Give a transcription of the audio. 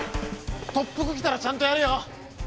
特服来たらちゃんとやれよ。